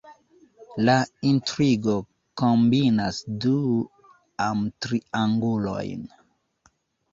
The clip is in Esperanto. La intrigo kombinas du amtriangulojn.